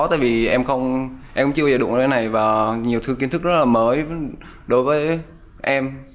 tại vì em cũng chưa bao giờ đụng cái này và nhiều thư kiến thức rất là mới đối với em